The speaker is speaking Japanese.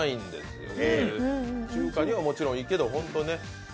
中華にはもちろんいいけど。